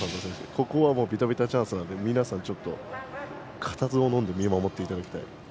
ここはビタビタチャンスなので皆さん、固唾をのんで見守っていただきたい。